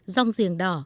rong giềng đỏ